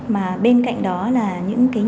mà bên cạnh đó là những cái nhà